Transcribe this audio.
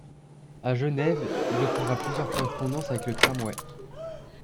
À Genève, il offrira plusieurs correspondances avec le tramway.